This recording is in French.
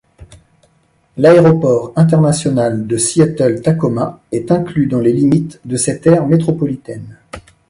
L'aéroport international de Seattle-Tacoma est inclus dans les limites de cette aire métropolitaine.